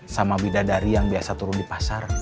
sama bidadari yang biasa turun di pasar